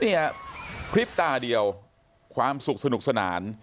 เนี่ยพริบตาเดียวความสุขสนุกสนาน